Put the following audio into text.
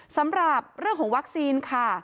สำหรับเรื่องของวัคซีนค่ะ